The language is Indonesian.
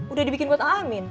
udah dibikin buat amin